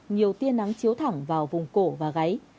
nhiều tia nắng chiếu thẳng vào vùng cổ và gáy